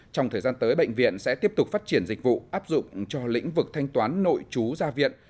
trong thời gian tới bệnh viện sẽ tiếp tục phát triển dịch vụ áp dụng cho lĩnh vực thanh toán nội chú gia viện